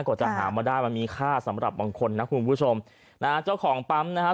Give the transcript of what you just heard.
กว่าจะหามาได้มันมีค่าสำหรับบางคนนะคุณผู้ชมนะฮะเจ้าของปั๊มนะฮะ